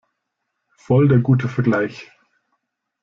Voll der gute Vergleich!